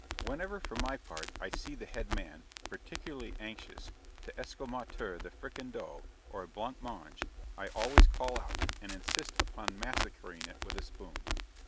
Whenever, for my part, I see the head man particularly anxious to ESCAMOTER a fricandeau or a blanc mange, I always call out, and insist upon massacring it with a spoon.